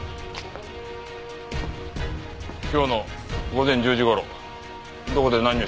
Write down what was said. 今日の午前１０時頃どこで何をしていた？